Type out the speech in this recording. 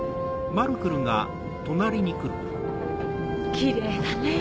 きれいだね。